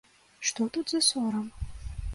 Што тут за сорам?